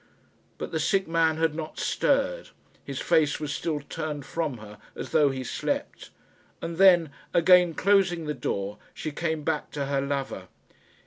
But the sick man had not stirred. His face was still turned from her, as though he slept, and then, again closing the door, she came back to her lover.